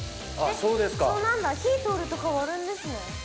そうなんだ火通ると変わるんですね。